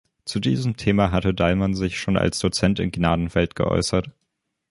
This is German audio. Zu diesem Thema hatte Dalman sich schon als Dozent in Gnadenfeld geäußert.